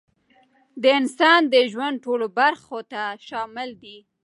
د انسان د ژوند ټولو برخو ته شامل دی،